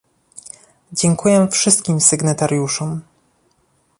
Dziękuję wszystkim sygnatariuszom